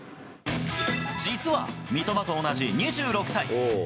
実は、三笘と同じ２６歳。